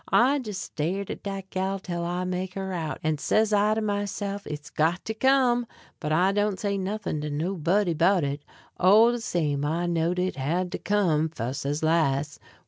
I jes' stared at dat gal tell I make her out, an' says I to myself: "It's got to come;" but I don't say nothin' to nobody 'bout it all de same I knowed it had to come fus' as las'.